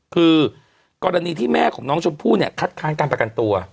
คือกรณีที่แม่ของน้องชมพู่เนี่ยคัดค้านการประกันตัว